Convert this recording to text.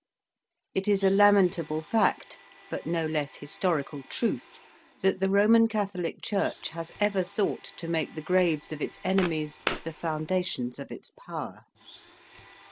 It is a lamentable fact, but no less historical truth, that the Roman Catholic Church has ever sought to make the graves of its enemies the foundations of its power.